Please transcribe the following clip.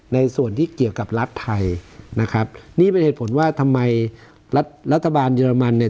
ในส่วนที่เกี่ยวกับรัฐไทยนะครับนี่เป็นเหตุผลว่าทำไมรัฐบาลเยอรมันเนี่ย